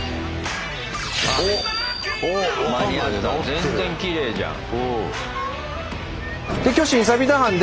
全然きれいじゃん。